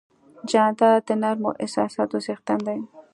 جانداد د نرمو احساساتو څښتن دی.